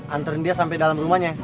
anterin dia sampe dalam rumahnya